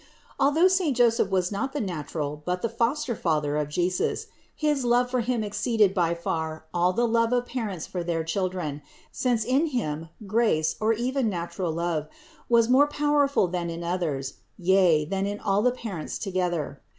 Although saint Joseph was not the natural, but the foster father of Jesus, his love for Him exceeded by far all the love of parents for their children, since in him grace, or even natural love, was more powerful than in others, yea than in all the parents together.